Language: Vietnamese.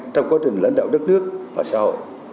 trong quá trình lãnh đạo đất nước và xã hội